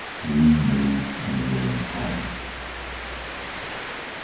We knew we were in Holland.